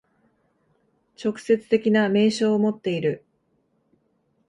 直接的な明証をもっている。